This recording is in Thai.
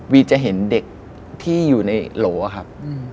จะเห็นเด็กที่อยู่ในโหลครับ